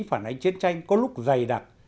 phản ánh chiến tranh có lúc dày đặc